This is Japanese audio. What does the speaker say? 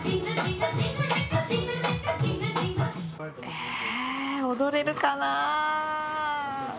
ええ踊れるかなあ？